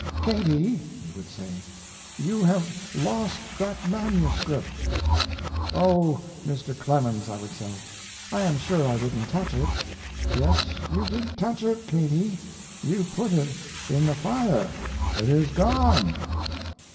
"Katie," he would say, "you have lost that manuscript." "Oh, Mr. Clemens,", I would say, "I am sure I didn't touch it." "Yes, you did touch it, Katie. You put it in the fire. It is gone."